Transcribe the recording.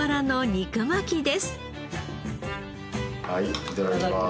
はいいただきます。